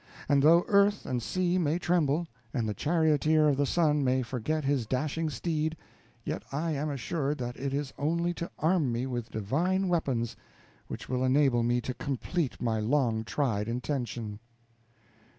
And though earth and sea may tremble, and the charioteer of the sun may forget his dashing steed, yet I am assured that it is only to arm me with divine weapons which will enable me to complete my long tried intention."